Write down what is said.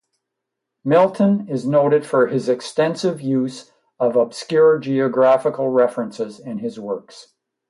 Milton is noted for his extensive use of obscure geographical references in his works.